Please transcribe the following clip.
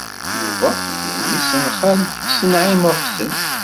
Yuba d memmi-s n xalti-s n Naɛima u Ḥsen.